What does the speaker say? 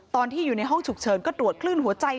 ตอนที่อยู่ในห้องฉุกเฉินก็ตรวจคลื่นหัวใจ